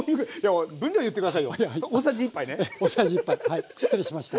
はい失礼しました。